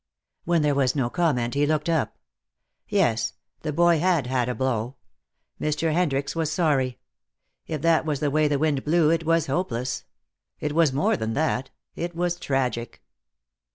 When there was no comment, he looked up. Yes, the boy had had a blow. Mr. Hendricks was sorry. If that was the way the wind blew it was hopeless. It was more than that; it was tragic.